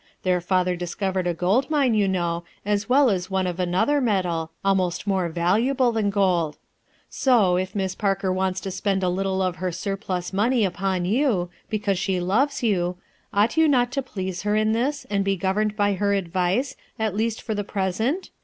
Their father discovered a gold mine, you know, as well as one of another metal, almost more valuable than gold. So, if M'ihj Parker wants to spend a little of her surplus money upon you, because she loves you, ought you not to please her in this, and be governed by her advice, at least for the present?